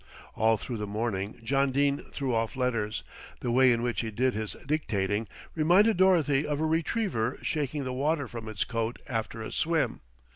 All through the morning John Dene threw off letters. The way in which he did his dictating reminded Dorothy of a retriever shaking the water from its coat after a swim.